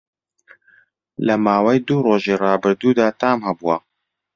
لە ماوەی دوو ڕۆژی ڕابردوودا تام هەبووه